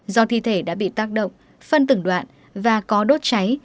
do thi thể đã bị tác động phân tử đoạn và có đốt cháy